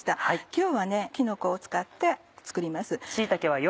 今日はキノコを使って作ります。